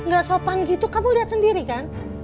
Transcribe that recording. gak sopan gitu kamu lihat sendiri kan